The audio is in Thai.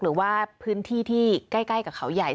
หรือว่าพื้นที่ที่ใกล้กับเขาใหญ่